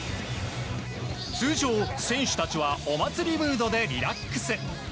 通常、選手たちはお祭りムードでリラックス。